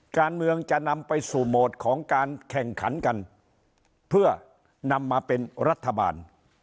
การเมืองจะนำไปสู่โหมดของการแข่งขันกันเพื่อนำมาเป็นรัฐบาล